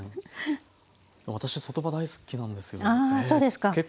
そうですか。